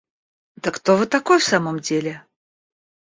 Да кто вы такой, в самом деле?